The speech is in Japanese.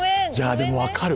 でも分かる。